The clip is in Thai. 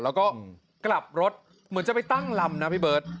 แล้วก็กลับรถเหมือนจะไปตั้งลำนะพี่เบิร์ต